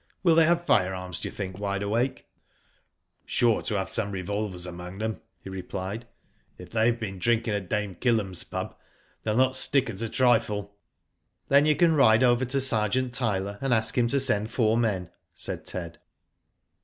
Will they have firearms, do you think, Wide Awake ?'' Sure to have some revolvers among them," he replied. If they have been drinking at Dame Kiirem's pub they'll not stick at a trifled' Then you can ride over to Sergeant Tyler, and ask him to send four men/' said Ted.